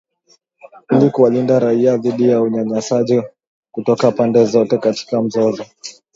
Ili kuwalinda raia dhidi ya unyanyasaji kutoka pande zote katika mzozo.